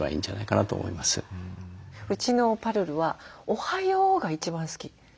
うちのぱるるは「おはよう」が一番好き。